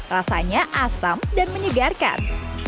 rasanya asam dan menyegarkan